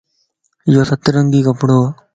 يوسترنگي ڪپڙووَ